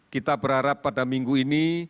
kita berharap pada minggu ini